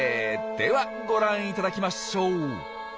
ではご覧いただきましょう。